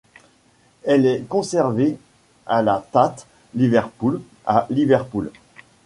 Elle est conservée à la Tate Liverpool, à Liverpool.